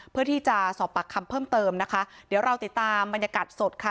เพื่อที่จะสอบปากคำเพิ่มเติมนะคะเดี๋ยวเราติดตามบรรยากาศสดค่ะ